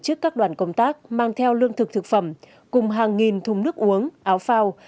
tổ chức các đoàn công tác mang theo lương thực thực phẩm cùng hàng nghìn thùng nước uống áo phao